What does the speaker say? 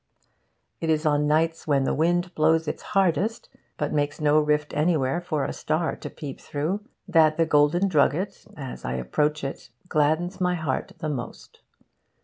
It is on nights when the wind blows its hardest, but makes no rift anywhere for a star to peep through, that the Golden Drugget, as I approach it, gladdens my heart the most.